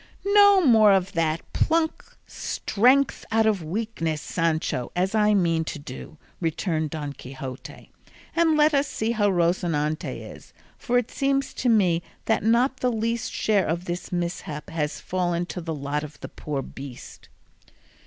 "No more of that: pluck strength out of weakness, Sancho, as I mean to do," returned Don Quixote, "and let us see how Rocinante is, for it seems to me that not the least share of this mishap has fallen to the lot of the poor beast."